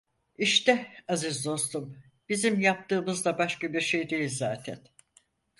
İşte, aziz dostum, bizim yaptığımız da başka bir şey değil zaten…